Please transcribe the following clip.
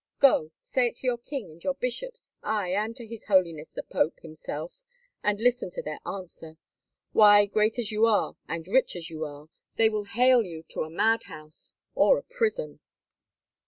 Go, say it to your king and your bishops, aye, and to his Holiness the Pope himself, and listen to their answer. Why, great as you are, and rich as you are, they will hale you to a mad house or a prison."